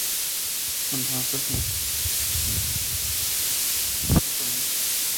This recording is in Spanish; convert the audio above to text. Cuanto más personajes sean invitados, más se reduce la dificultad de los oponentes.